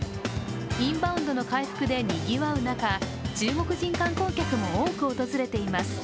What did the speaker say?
インバウンドの回復でにぎわう中、中国人観光客も多く訪れています。